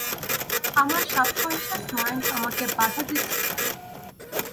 আমার subconscious mind আমাকে বাধা দিচ্ছে কেন?